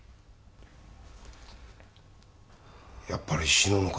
やっぱり死ぬのか？